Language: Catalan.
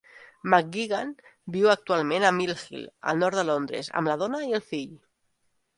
McGuigan viu actualment a Mill Hill, al nord de Londres, amb la dona i el fill.